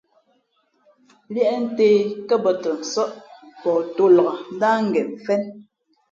Līēʼ ntě kά bᾱ tα nsά, pαh tō nlak ndáh ngen mfén.